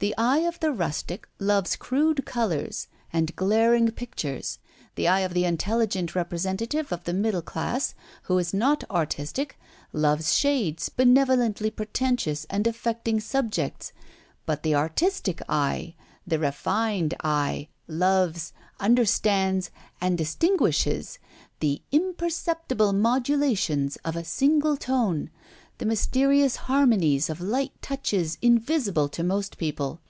The eye of the rustic loves crude colors and glaring pictures; the eye of the intelligent representative of the middle class who is not artistic loves shades benevolently pretentious and affecting subjects; but the artistic eye, the refined eye, loves, understands, and distinguishes the imperceptible modulations of a single tone, the mysterious harmonies of light touches invisible to most people.